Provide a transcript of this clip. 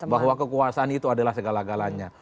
bahwa kekuasaan itu adalah segala galanya